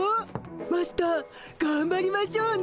マスターがんばりましょうね。